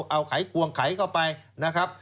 เอาไขควงไขเข้าไปนะครับ